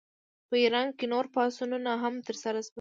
په ایران کې نور پاڅونونه هم ترسره شول.